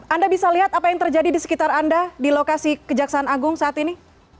anda bisa lihat apa yang terjadi di sekitar anda di lokasi kejaksaan agung saat ini